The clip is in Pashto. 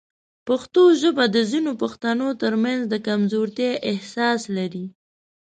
پښتو ژبه د ځینو پښتنو ترمنځ د کمزورتیا احساس لري.